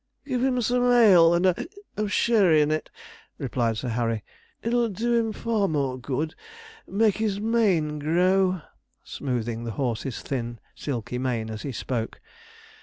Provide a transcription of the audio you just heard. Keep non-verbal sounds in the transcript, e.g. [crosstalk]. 'Give him some ale, and a [hiccups] of sherry in it,' replied Sir Harry; 'it'll do him far more good make his mane grow,' smoothing the horse's thin, silky mane as he spoke.